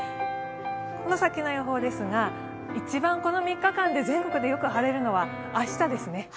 この先の予報ですが、一番この３日間で全国でよく晴れるのは明日ですね。